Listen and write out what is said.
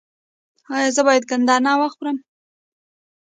ایا زه باید ګندنه وخورم؟